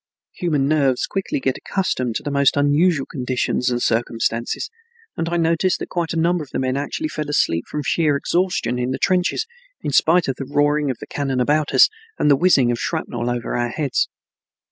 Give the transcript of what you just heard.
Human nerves quickly get accustomed to the most unusual conditions and circumstances and I noticed that quite a number of men actually fell asleep from sheer exhaustion in the trenches, in spite of the roaring of the cannon about us and the whizzing of shrapnel over our heads.